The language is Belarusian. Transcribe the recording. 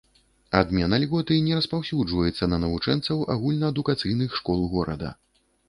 Адмена льготы не распаўсюджваецца на навучэнцаў агульнаадукацыйных школ горада.